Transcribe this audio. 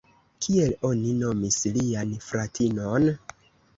Kiel oni nomis lian fratinon?